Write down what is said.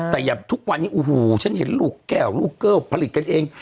แต่อย่าทุกวันอูหูฉันเห็นลูกแก่งลูกเกล้าผลิตกันเอง